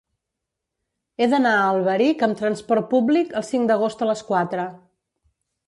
He d'anar a Alberic amb transport públic el cinc d'agost a les quatre.